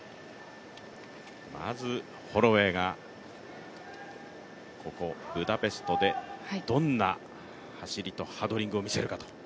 まずホロウェイがここブダペストでどんな走りとハードリングを見せるかと。